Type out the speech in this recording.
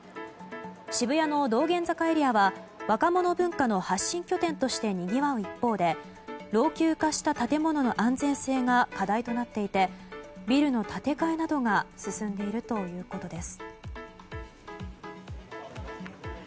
渋谷の道玄坂エリアは若者文化の発信拠点としてにぎわう一方で老朽化した建物の安全性が課題となっていてビルの建て替えなどが進んでいるということです。